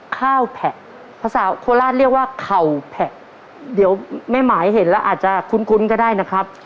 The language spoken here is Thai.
ข้าวแผะภาษาโคราชเรียกว่าเข่าแผะเดี๋ยวแม่หมายเห็นแล้วอาจจะคุ้นก็ได้นะครับ